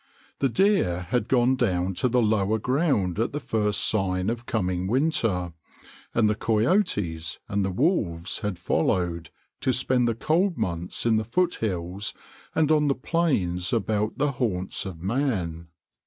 The deer had gone down to the lower ground at the first sign of coming winter, and the coyotes and the wolves had followed to spend the cold months in the foot hills and on the plains about the haunts of man.